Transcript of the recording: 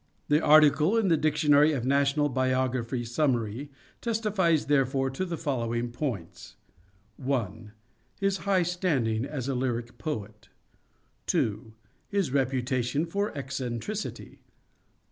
The article in the Dictionary of National Biography Summary testifies therefore to the following points :— attStS? 1. His high standing as a lyric poet. 2. His reputation for eccentricity.